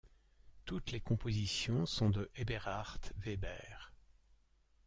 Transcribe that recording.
Toutes les compositions sont de Eberhard Weber.